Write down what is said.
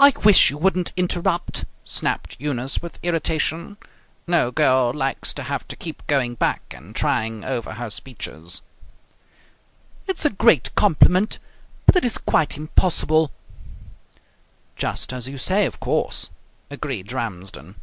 "I wish you wouldn't interrupt!" snapped Eunice with irritation. No girl likes to have to keep going back and trying over her speeches. "It's a great compliment, but it is quite impossible." "Just as you say, of course," agreed Ramsden.